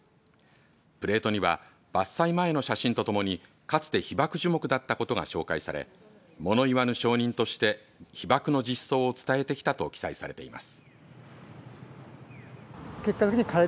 プレートには伐採前の写真とともにかつて被爆樹木だったことが紹介されもの言わぬ証人として被爆の実相を伝えてきたと記載されています。